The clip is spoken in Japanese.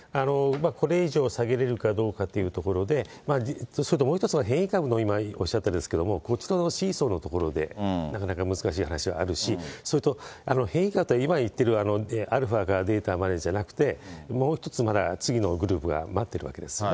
これ以上下げれるかどうかっていうところで、それともう一つ、変異株のことおっしゃったんですけれども、こっちのシーソーのところでなかなか難しい話はあるし、それと変異株、今言ってるのがアルファかベータじゃなくて、までじゃなくて、もう一つまだ次のグループが待ってるわけですよね。